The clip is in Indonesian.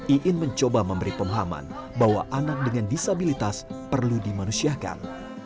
iin mencoba memberi pemahaman bahwa anak dengan disabilitas perlu dimanusiakan